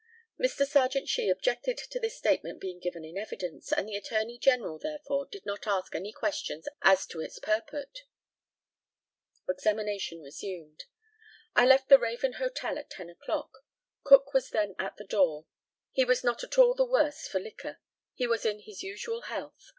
Mr. Serjeant SHEE objected to this statement being given in evidence, and the Attorney General, therefore, did not ask any questions as to its purport. Examination resumed: I left the Raven Hotel at ten o'clock. Cook was then at the door. He was not at all the worse for liquor. He was in his usual health.